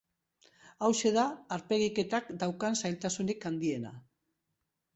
Hauxe da aurpegiketak daukan zailtasunik handiena.